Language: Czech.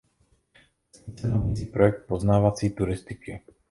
Vesnice nabízí projekt poznávací turistiky.